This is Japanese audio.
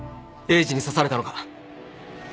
エイジに刺されたのか？